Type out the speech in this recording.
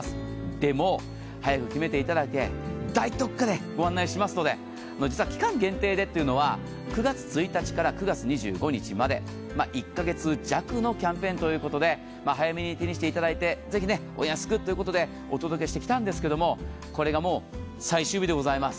でも、早く決めていただいて、大特価でお届けしますので実は期間限定でというのは、９月１日から９月２５日まで、１カ月弱のキャンペーンということで早めに手にしていただいて、ぜひお安くということでお届けしてきたんですけれども、これがもう最終日でございます。